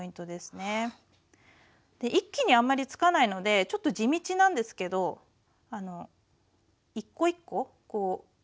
一気にあんまりつかないのでちょっと地道なんですけど一個一個埋めていくような感じでつけていきましょう。